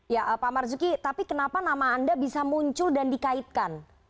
ya pak marzuki tapi kenapa nama anda bisa muncul dan dikaitkan